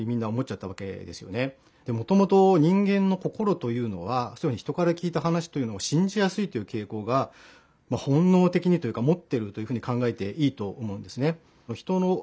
もともと人間の心というのは人から聞いた話というのを信じやすいというけいこうが本のうてきに持ってるというふうに考えていいと思うんですね。